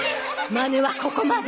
「マネはここまで」。